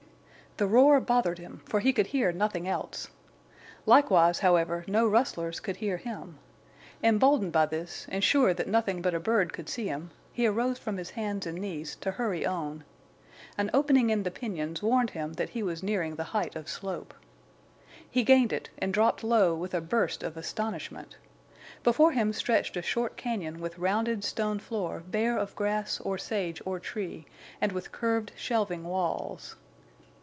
The roar bothered him, for he could hear nothing else. Likewise, however, no rustlers could hear him. Emboldened by this and sure that nothing but a bird could see him, he arose from his hands and knees to hurry on. An opening in the piñons warned him that he was nearing the height of slope. He gained it, and dropped low with a burst of astonishment. Before him stretched a short cañon with rounded stone floor bare of grass or sage or tree, and with curved, shelving walls.